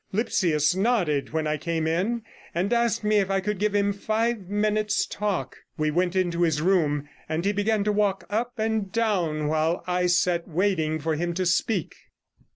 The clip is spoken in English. Lipsius nodded when I came in, and asked me if I could give him five minutes' talk. We went into his room, and he began to walk up and down, while I sat waiting for him to speak.